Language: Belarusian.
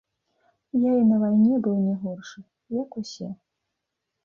Я і на вайне быў не горшы, як усе.